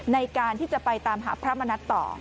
ในการที่จะไปตามหาพระมณัฐต่อ